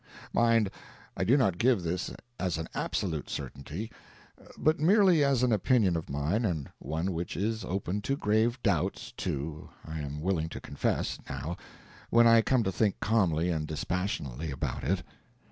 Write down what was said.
Mind, I do not give this as an absolute certainty, but merely as an opinion of mine and one which is open to grave doubts, too, I am willing to confess, now, when I come to think calmly and dispassionately about it.